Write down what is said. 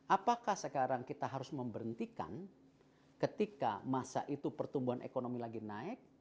apakah sekarang kita harus memberhentikan ketika masa itu pertumbuhan ekonomi lagi naik